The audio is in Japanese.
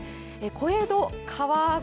小江戸川越